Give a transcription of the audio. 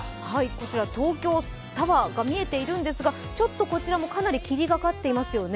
こちら東京タワーが見えているんですがちょっとこちらもかなり、霧がかっていますね。